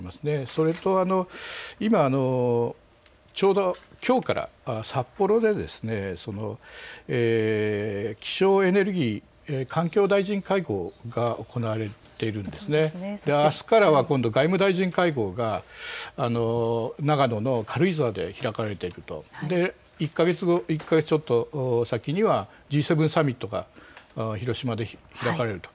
それと、今ちょうどきょうから札幌で気象・エネルギー・環境大臣会合が行われているんですね。あすからは外務大臣会合が長野の軽井沢で開かれていると、１か月ちょっと先にはＧ７サミットが広島で開かれると。